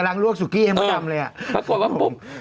ไปนั่งกินเลยนี่้กค้มผม